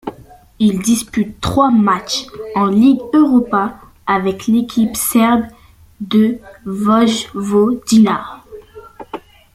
Il dispute trois matchs en Ligue Europa avec l'équipe serbe de Vojvodina.